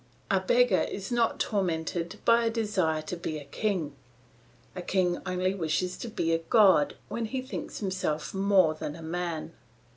A beggar is not tormented by a desire to be a king; a king only wishes to be a god when he thinks himself more than man.